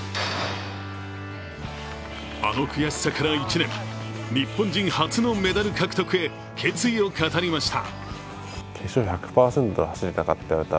あの悔しさから１年、日本人初のメダル獲得へ決意を語りました。